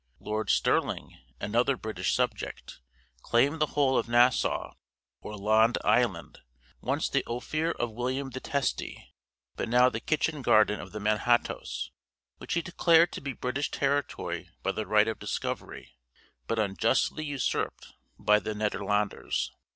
Lord Sterling, another British subject, claimed the whole of Nassau, or Lond Island, once the Ophir of William the Testy, but now the kitchen garden of the Manhattoes, which he declared to be British territory by the right of discovery, but unjustly usurped by the Nederlanders.